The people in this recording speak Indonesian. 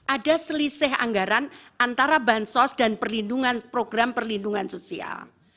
ada selisih anggaran antara bansos dan perlindungan program perlindungan sosial